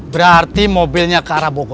berarti mobilnya ke arah bogor